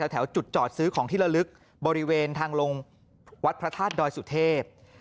แถวจุดจอดซื้อของที่ละลึกบริเวณทางลงวัดพระธาตุดอยสุเทพ